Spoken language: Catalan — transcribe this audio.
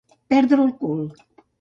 Perdre el cul.